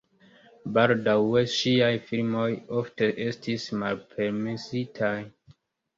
Baldaŭe ŝiaj filmoj ofte estis malpermesitaj.